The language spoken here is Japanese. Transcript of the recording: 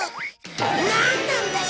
なんなんだよ！